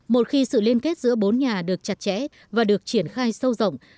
một khi sự liên kết giữa bốn nhà được chặt chẽ và được triển khai sâu rộng